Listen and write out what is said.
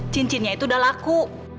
cincinnya itu udah laku